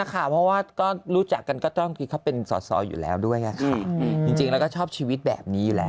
เขาก็ไม่ได้ตัดขาดกันหรอกคุณแม่